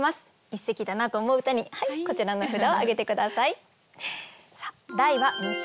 一席だなと思う歌にこちらの札を挙げて下さい。